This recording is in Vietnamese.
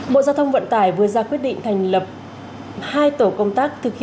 bộ giao thông vận tải vừa ra quyết định thành lập hai tổ công tác thực hiện kiểm tra